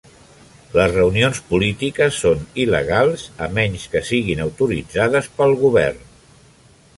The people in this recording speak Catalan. Les reunions polítiques són il·legals a menys que siguin autoritzades pel govern.